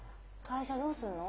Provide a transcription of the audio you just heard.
会社どうすんの？